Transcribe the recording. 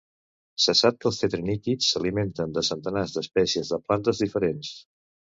Se sap que els tetraníquids s'alimenten de centenars d'espècies de plantes diferents.